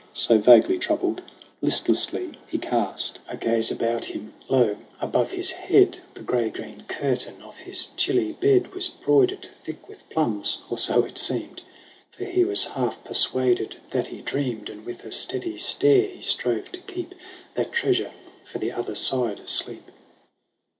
So, vaguely troubled, listlessly he cast THE CRAWL 61 A gaze about him : lo, above his head The gray green curtain of his chilly bed Was broidered thick with plums ! Or so it seemed, For he was half persuaded that he dreamed ; And with a steady stare he strove to keep That treasure for the other side of sleep.